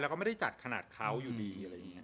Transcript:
เราก็ไม่ได้จัดขนาดเขาอยู่ดี